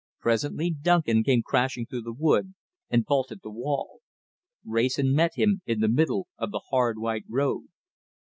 Presently Duncan came crashing through the wood and vaulted the wall. Wrayson met him in the middle of the hard white road.